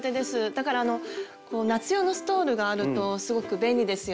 だから夏用のストールがあるとすごく便利ですよね。